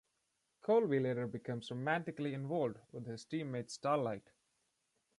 Colby later becomes romantically involved with his teammate Starlight.